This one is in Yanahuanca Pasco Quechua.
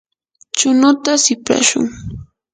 chunuta siprashun.